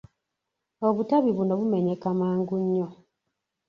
Obutabi buno bumenyeka mangu nnyo.